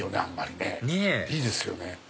ねぇいいですよね。